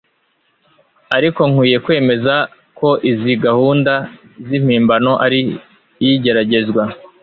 ariko nkwiye kwemeza ko izi gahunda zimpimbano ari igeragezwa